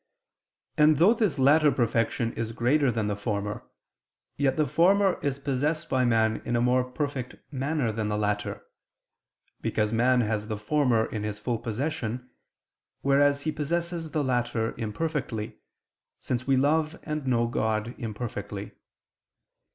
And, though this latter perfection is greater than the former, yet the former is possessed by man in a more perfect manner than the latter: because man has the former in his full possession, whereas he possesses the latter imperfectly, since we love and know God imperfectly.